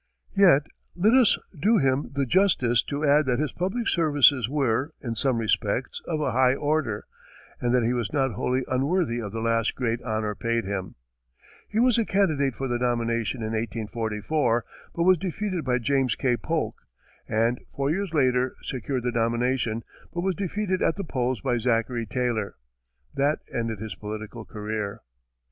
Yet let us do him the justice to add that his public services were, in some respects, of a high order, and that he was not wholly unworthy of the last great honor paid him. He was a candidate for the nomination in 1844, but was defeated by James K. Polk; and four years later, secured the nomination, but was defeated at the polls by Zachary Taylor. That ended his political career.